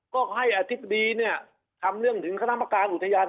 ก็ให้อาทิตย์ดีเนี้ยทำเรื่องถึงคำสมการอุทยาลแอร์แหกชาติ